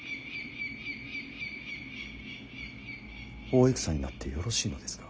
大戦になってよろしいのですか。